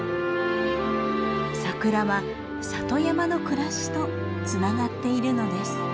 サクラは里山の暮らしとつながっているのです。